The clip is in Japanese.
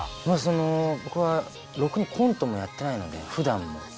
まあその僕はろくにコントもやってないのでふだんも。